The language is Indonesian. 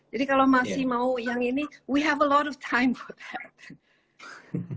jadi kalau masih mau yang ini kita punya banyak waktu untuk itu